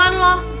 ya makan lo